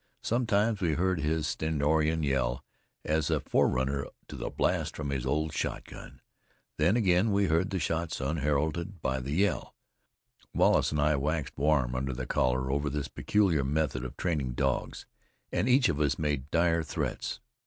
Sometimes we heard his stentorian yell as a forerunner to the blast from his old shotgun. Then again we heard the shots unheralded by the yell. Wallace and I waxed warm under the collar over this peculiar method of training dogs, and each of us made dire threats.